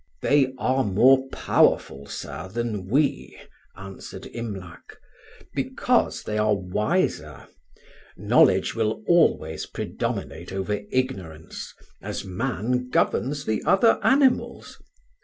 "They are more powerful, sir, than we," answered Imlac, "because they are wiser; knowledge will always predominate over ignorance, as man governs the other animals.